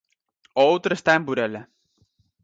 O outro está en Burela.